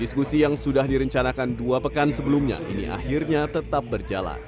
diskusi yang sudah direncanakan dua pekan sebelumnya ini akhirnya tetap berjalan